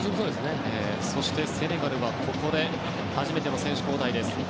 セネガルはここで初めての選手交代です。